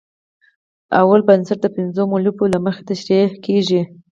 لومړی بنسټ د پنځو مولفو له مخې تشرېح کیږي.